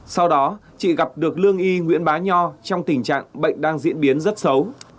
sau đó chị gặp được lương y nguyễn bá nho trong tình trạng bệnh đang diễn biến rất xấu